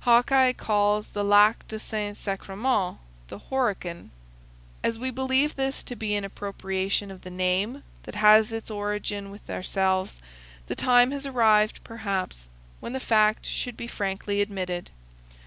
Hawkeye calls the Lac du Saint Sacrement, the "Horican." As we believe this to be an appropriation of the name that has its origin with ourselves, the time has arrived, perhaps, when the fact should be frankly admitted.